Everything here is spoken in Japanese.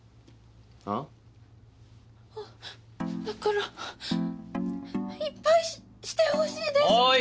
だからいっぱいシてほしいです。